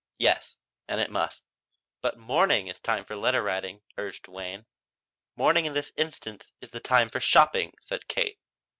"Yes, and it must." "But morning is the time for letter writing," urged Wayne. "Morning in this instance is the time for shopping," said Kate.